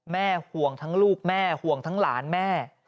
ห่วงทั้งลูกแม่ห่วงทั้งหลานแม่